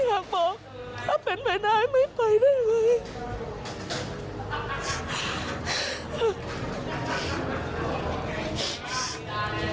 อยากบอกถ้าเป็นไปได้ไม่ไปได้เลย